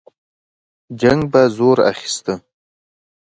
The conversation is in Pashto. جنګ به زور اخیسته.